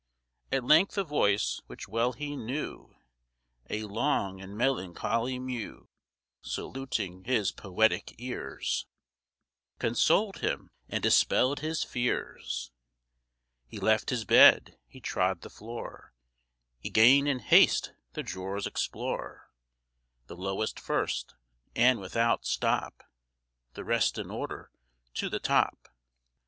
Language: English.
At length a voice which well he knew, A long and melancholy mew, Saluting his poetic ears, Consoled him and dispell'd his fears: He left his bed, he trod the floor, He 'gan in haste the drawers explore, The lowest first, and without stop The rest in order to the top.